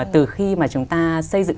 từ khi mà chúng ta xây dựng